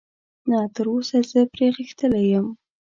نه، تراوسه زه پرې غښتلی یم.